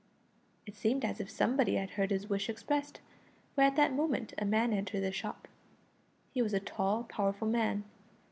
It seemed as if somebody had heard his wish expressed, for at that moment a man entered the shop. He was a tall, powerful man.